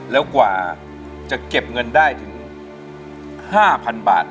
แล้วกว่าจะเก็บเงินได้ถึง๕๐๐๐บาท